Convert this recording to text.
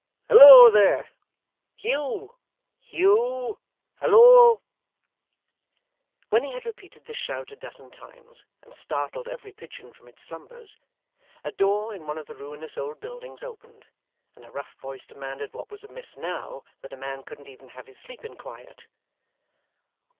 Halloa there! Hugh Hugh. Hal loa!' When he had repeated this shout a dozen times, and startled every pigeon from its slumbers, a door in one of the ruinous old buildings opened, and a rough voice demanded what was amiss now, that a man couldn't even have his sleep in quiet.